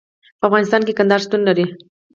په افغانستان کې کندهار شتون لري.